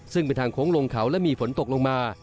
ซึ่งเป็นทางโค้งลงเขาและมีฝนตกลงมา